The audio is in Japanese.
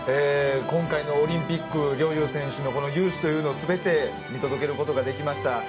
今回のオリンピック陵侑選手の雄姿というのを全て見届けることができました。